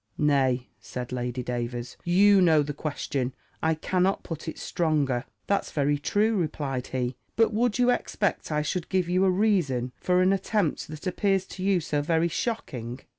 "Nay," said Lady Davers, "you know the question; I cannot put it stronger." "That's very true," replied he: "But would you expect I should give you a reason for an attempt that appears to you so very shocking?"